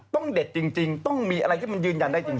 ต้องเด็ดจริงต้องมีอะไรที่มันยืนยันได้จริง